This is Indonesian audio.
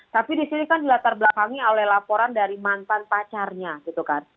tapi di sini kan di latar belakangnya oleh laporan dari mantan pacarnya gitu kan